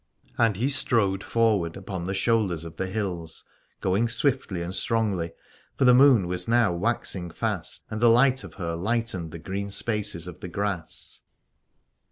And he strode forward upon the shoulders of the hills, going swiftly and strongly : for the moon was now waxing fast, and the light of her lightened the green spaces of the grass.